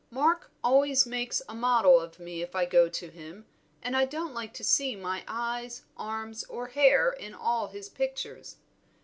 Mark always makes a model of me if I go to him, and I don't like to see my eyes, arms, or hair in all his pictures.